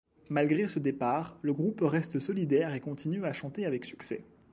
Malgré ce départ, le groupe reste solidaire et continue à chanter avec succès.